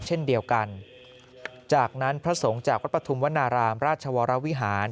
เช่นเดียวกันจากนั้นพระสงฆ์จากวัดปฐุมวนารามราชวรวิหาร